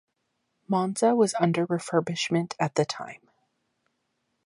Monza was under refurbishment at the time.